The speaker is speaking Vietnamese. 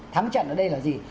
thắng trận ở đây là gì